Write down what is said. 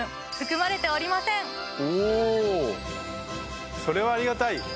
おぉそれはありがたい！